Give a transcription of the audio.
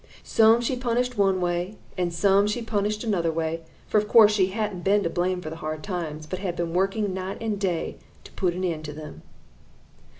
Some she punished one way, and some she punished another way, for of course she hadn't been to blame for the hard times, but had been working night and day to put an end to them.